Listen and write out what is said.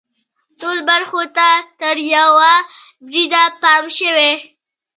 ټولو برخو ته تر یوه بریده پام شوی.